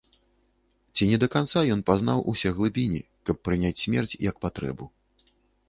Ці не да канца пазнаў ён усе глыбіні, каб прыняць смерць як патрэбу?